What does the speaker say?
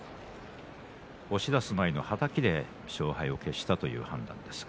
押し出す前のはたきで勝敗が決したという判断です。